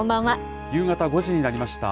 夕方５時になりました。